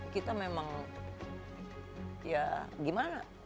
kita memang ya gimana